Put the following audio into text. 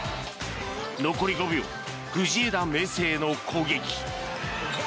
残り５秒藤枝明誠の攻撃。